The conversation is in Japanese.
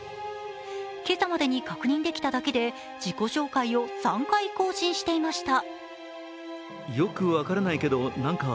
今朝までに確認できただけで自己紹介を３回、更新していました。